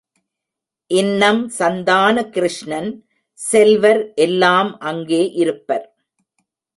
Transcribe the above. இன்னம் சந்தான கிருஷ்ணன், செல்வர் எல்லாம் அங்கே இருப்பர்.